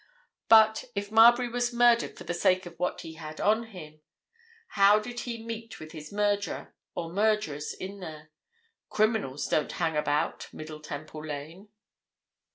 But—if Marbury was murdered for the sake of what he had on him—how did he meet with his murderer or murderers in there? Criminals don't hang about Middle Temple Lane."